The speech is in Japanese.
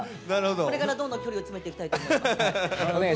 これからどんどんき距離詰めていきたいと思います。